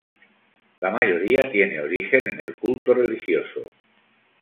La mayoría tienen origen en el culto religioso.